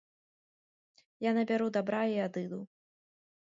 Я набяру дабра і адыду.